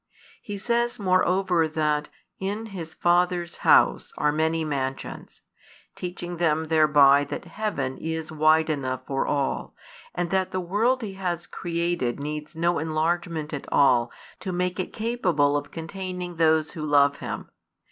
He says moreover that in His Father's house are many mansions, teaching them thereby that heaven is wide enough for all, and that the world He has created needs no enlargement at all to make it capable of containing those who |236 love Him.